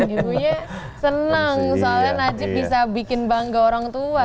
ibunya senang soalnya najib bisa bikin bangga orang tua